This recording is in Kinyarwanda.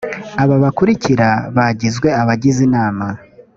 aba bakurikira bagizwe abagize inama